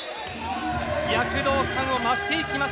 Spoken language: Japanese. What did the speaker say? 躍動感を増していきます